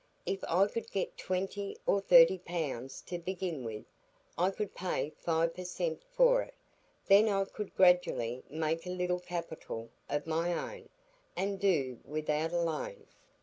If I could get twenty or thirty pounds to begin with, I could pay five per cent for it, and then I could gradually make a little capital of my own, and do without a loan."